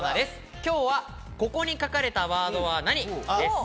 今日は「ここに書かれたワードは何？」です。